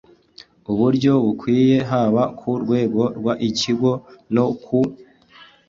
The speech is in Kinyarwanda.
uburyo bukwiye haba ku rwego rw ikigo no ku